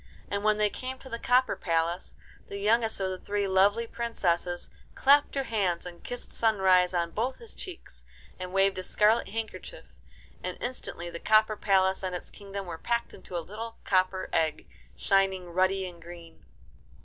And when they came to the copper palace, the youngest of the three lovely princesses clapped her hands and kissed Sunrise on both his cheeks, and waved a scarlet handkerchief, and instantly the copper palace and its kingdom were packed into a little copper egg, shining ruddy and green.